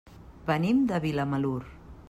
Venim de Vilamalur.